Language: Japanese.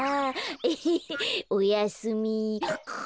エヘヘおやすみ。